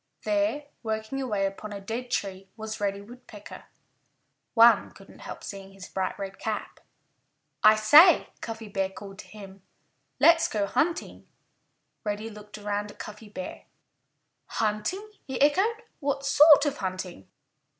There, working away upon a dead tree, was Reddy Woodpecker. One couldn't help seeing his bright red cap. "I say," Cuffy Bear called to him, "let's go hunting!" Reddy looked around at Cuffy Bear. "Hunting!" he echoed. "What sort of hunting?"